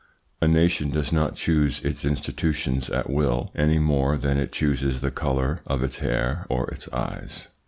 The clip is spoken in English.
A nation does not choose its institutions at will any more than it chooses the colour of its hair or its eyes.